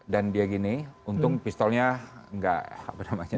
dan dia gini untung pistolnya enggak apa namanya